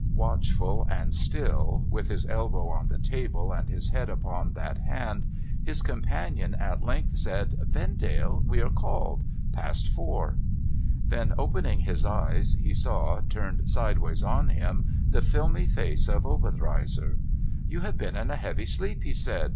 Watchful and still, with his elbow on the table, and his head upon that hand, his companion at length said :' Vendale ! We are called. Past Four •' Then, opening his eyes, he saw, turned sideways on him, the filmy face of Obenreizer. * You have been in a heavy sleep,' he said.